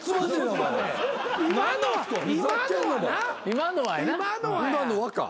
「今のは」か。